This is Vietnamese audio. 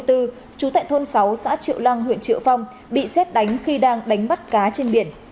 trú tại thôn sáu xã triệu lăng huyện triệu phong bị xét đánh khi đang đánh bắt cá trên biển